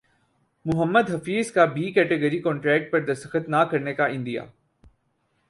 محمد حفیظ کا B category contract پر دستخط نہ کرنےکا عندیہ